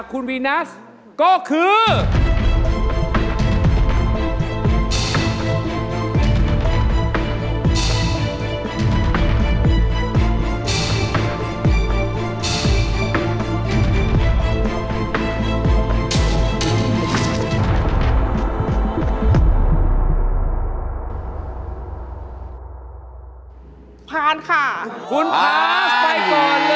คุณพลานไปก่อนเลย